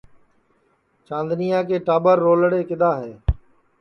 چاندنِیا کے ٹاٻر رولڑے کِدؔا ہے